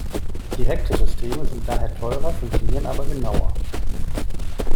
Direkte Systeme sind daher teurer, funktionieren aber genauer.